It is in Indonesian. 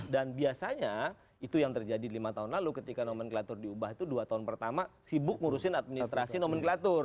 dan biasanya itu yang terjadi lima tahun lalu ketika nomenklatur diubah itu dua tahun pertama sibuk ngurusin administrasi nomenklatur